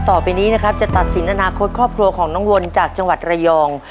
ต่อไปนี้นะครับจะตัดสินอนาคตครอบครัวของน้องวนจากจังหวัดระยอง